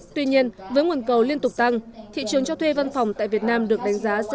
tuy nhiên với nguồn cầu liên tục tăng thị trường cho thuê văn phòng tại việt nam được đánh giá sẽ